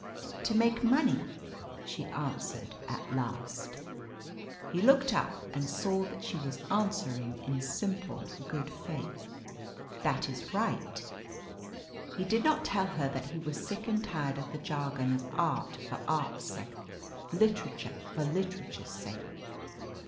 "To make money," she answered at last. He looked up, and saw that she was answering in simple good faith. "That is right." He did not tell her that he was sick and tired of the jargon of art for art's sake, literature for literature's sake.